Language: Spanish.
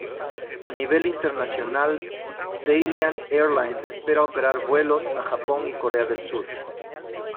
A nivel internacional, Dalian Airlines espera operar vuelos a Japón y Corea del Sur.